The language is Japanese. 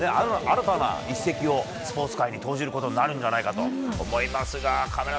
新たな一石をスポーツ界に投じることになるんじゃないかと思いますが。